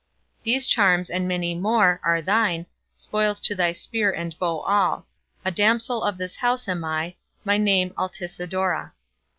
These charms, and many more, are thine, Spoils to thy spear and bow all; A damsel of this house am I, By name Altisidora.